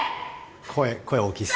声声大きいっす。